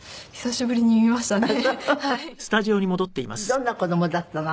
どんな子供だったの？